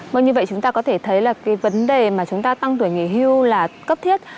vâng như vậy chúng ta có thể thấy là cái vấn đề mà chúng ta tăng tuổi nghỉ hưu là cấp thiết